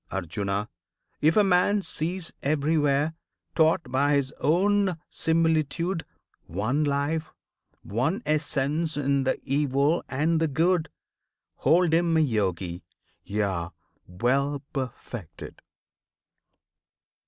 Arjuna! if a man sees everywhere Taught by his own similitude one Life, One Essence in the Evil and the Good, Hold him a Yogi, yea! well perfected!